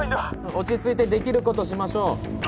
落ち着いてできることしましょう。